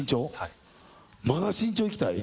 まだ身長いきたい？